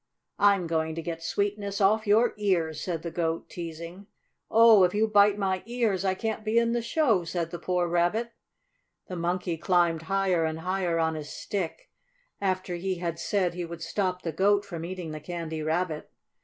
"I'm going to get sweetness off your ears," said the Goat, teasing. "Oh, if you bite my ears I can't be in the show!" said the poor Rabbit. The Monkey climbed higher and higher on his stick, after he had said he would stop the Goat from eating the Candy Rabbit.